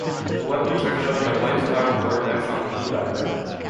The weapons are showing a white spiral vortex on a blue background.